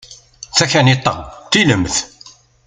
Takaniṭ-a d tilemt.